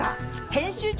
編集長。